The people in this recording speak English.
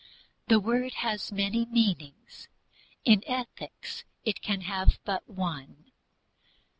The word has many meanings; in ethics it can have but one.